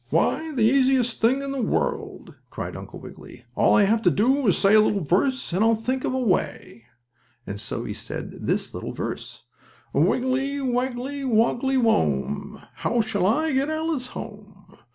"Why, the easiest thing in the world!" cried Uncle Wiggily. "All I have to do is to say a little verse, and I'll think of a way." So he said this little verse: "Wiggily, waggily, woggily wome, How shall I get Alice home?